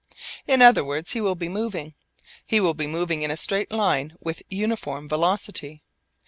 In other words he will be moving. He will be moving in a straight line with uniform velocity.